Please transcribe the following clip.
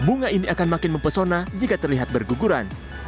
bunga ini akan makin mempesona jika terlihat berguguran